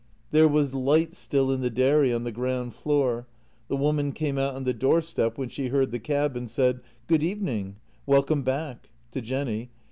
There was light still in the dairy on the ground floor; the woman came out on the doorstep, when she heard the cab, and said: " Good evening; welcome back," to Jenny.